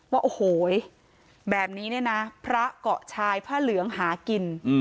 ว่าโอ้โหแบบนี้เนี่ยนะพระเกาะชายผ้าเหลืองหากิน